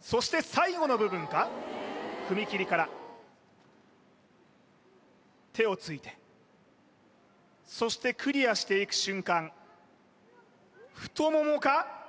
そして最後の部分か踏み切りから手をついてそしてクリアしていく瞬間太ももか？